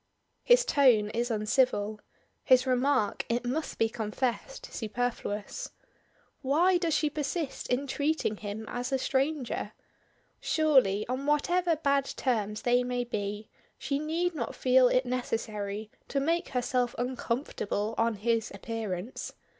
His tone is uncivil; his remark, it must be confessed, superfluous. Why does she persist in treating him as a stranger? Surely, on whatever bad terms they may be, she need not feel it necessary to make herself uncomfortable on his appearance.